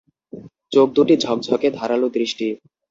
চোখদুটি ঝকঝকে, ধারালো দৃষ্টি।